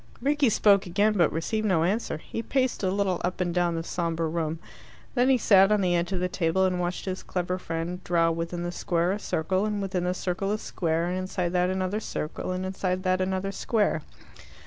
Rickie spoke again, but received no answer. He paced a little up and down the sombre roam. Then he sat on the edge of the table and watched his clever friend draw within the square a circle, and within the circle a square, and inside that another circle, and inside that another square.